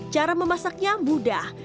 cara memasaknya mudah